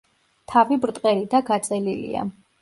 თავი ბრტყელი და გაწელილია.